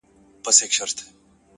د خدای لپاره په ژړه نه کيږي ،،